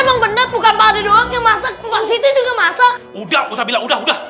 emang bener bukan pada doangnya masak masak udah udah udah udah